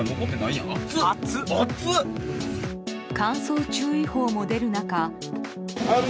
乾燥注意報も出る中。